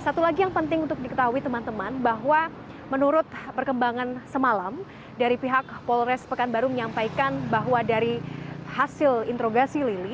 satu lagi yang penting untuk diketahui teman teman bahwa menurut perkembangan semalam dari pihak polres pekanbaru menyampaikan bahwa dari hasil interogasi lili